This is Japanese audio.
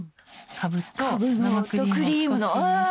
かぶのクリームのう！